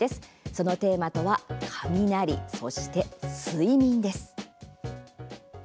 そのテーマとは雷、そして睡眠です。